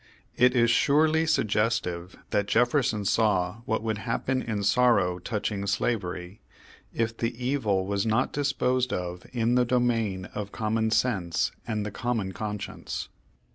It is surely suggestive that Jefferson saw what would happen in sorrow touching slavery, if the evil was not disposed of in the domain of common sense and the common conscience.